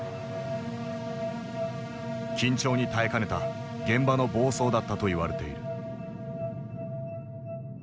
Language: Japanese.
緊張に耐えかねた現場の暴走だったといわれている。